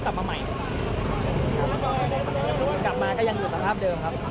ครับทำให้เราก็เก็ดเลือดผมก็เลยสกดูตรงเนี้ยครับ